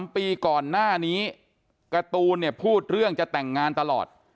๓ปีก่อนหน้านี้การ์ตูนเนี่ยพูดเรื่องจะแต่งงานตลอด